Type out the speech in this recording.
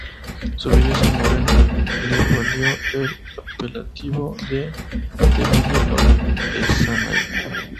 Su belleza morena le valió el apelativo de "The Lily of Essanay".